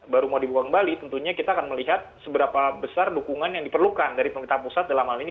baru mau dibuka kembali tentunya kita akan melihat seberapa besar dukungan yang diperlukan dari pemerintah pusat dalam hal ini